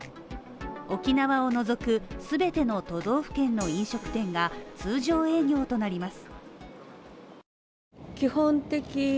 沖縄を除く全ての都道府県の飲食店が通常営業となります。